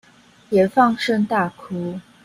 也放聲大哭